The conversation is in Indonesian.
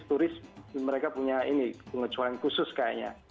turis mereka punya ini pengecualian khusus kayaknya